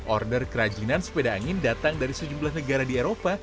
order kerajinan sepeda angin datang dari sejumlah negara di eropa